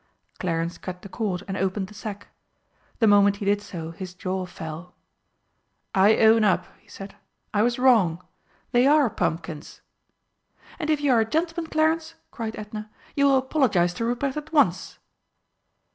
Clarence cut the cord, and opened the sack. The moment he did so his jaw fell. "I own up," he said. "I was wrong. They are pumpkins!" "And if you are a gentleman, Clarence," cried Edna, "you will apologise to Ruprecht at once!"